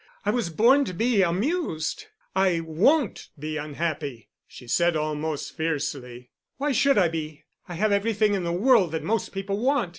I was born to be amused—I won't be unhappy," she said almost fiercely. "Why should I be? I have everything in the world that most people want.